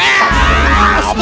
ini apa sih ini